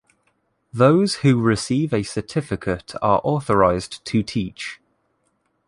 Those who receive a certificate are authorized to teach.